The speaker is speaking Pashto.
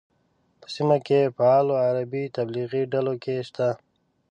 په سیمه کې فعالو عربي تبلیغي ډلو کې شته.